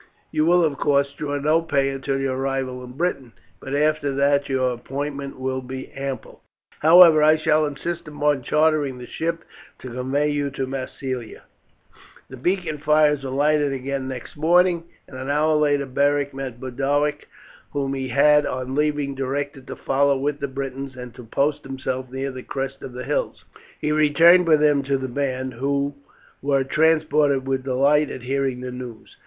"You will, of course, draw no pay until your arrival in Britain; but after that your appointment will be ample. However, I shall insist upon chartering the ship to convey you to Massilia." The beacon fires were lighted again next morning, and an hour later Beric met Boduoc, whom he had, on leaving, directed to follow with the Britons, and to post himself near the crest of the hills. He returned with him to the band, who were transported with delight at hearing the news.